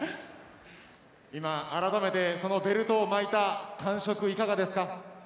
今、改めてベルトを巻いた感触いかがですか。